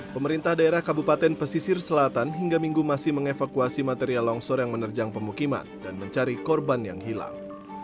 pemerintah daerah kabupaten pesisir selatan hingga minggu masih mengevakuasi material longsor yang menerjang pemukiman dan mencari korban yang hilang